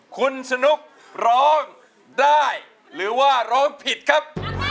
คุณสนุกร้องได้หรือว่าร้องผิดครับ